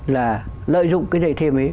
là lợi dụng cái dạy thêm ấy